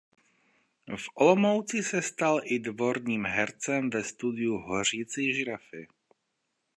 V Olomouci se stal i dvorním hercem ve studiu "Hořící žirafy".